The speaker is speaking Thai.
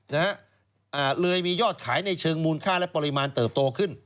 นะฮะอ่าเลยมียอดขายในเชิงมูลค่าและปริมาณเติบโตขึ้น